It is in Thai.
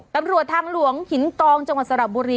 ตำรวจทางหลวงหินตองจังหวัดสระบุรี